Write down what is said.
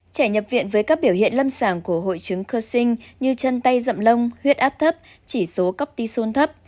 trẻ nhập viện với các biểu hiện lâm sàng của hội chứng cursing như chân tay dậm lông huyết áp thấp chỉ số cốc ti sôn thấp